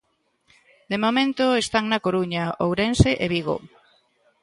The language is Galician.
De momento están na Coruña, Ourense e Vigo.